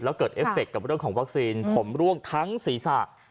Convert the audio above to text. แล้วเกิดเอฟเคกับเรื่องของวัคซีนผมร่วงทั้งศีรษะ